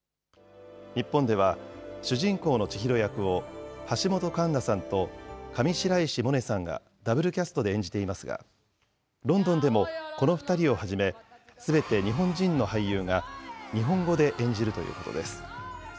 日本では主人公の千尋役を橋本環奈さんと上白石萌音さんがダブルキャストで演じていますが、ロンドンでもこの２人をはじめ、すべて日本人の俳優が、日本語で演じるということです。